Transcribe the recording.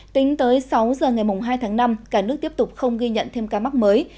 tính tới sáu giờ ngày hai tháng năm cả nước tiếp tục không ghi nhận thêm ca mắc mới